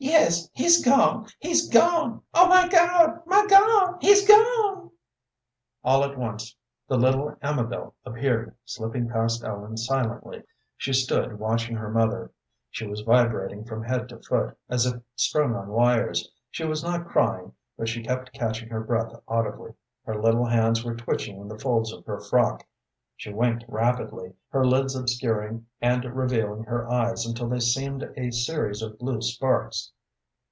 "Yes, he's gone! he's gone! Oh, my God! my God! he's gone!" All at once the little Amabel appeared, slipping past Ellen silently. She stood watching her mother. She was vibrating from head to foot as if strung on wires. She was not crying, but she kept catching her breath audibly; her little hands were twitching in the folds of her frock; she winked rapidly, her lids obscuring and revealing her eyes until they seemed a series of blue sparks.